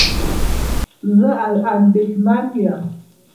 زه اندېښمن یم